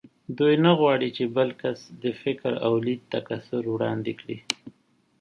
دوی نه غواړ چې بل کس د فکر او لید تکثر وړاندې کړي